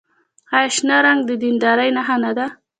آیا شنه رنګ د دیندارۍ نښه نه ده؟